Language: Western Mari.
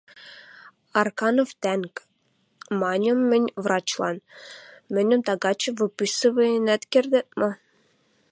— Арканов тӓнг, — маньым мӹнь врачлан, — мӹньӹм тагачы выписываен кердӓт ма?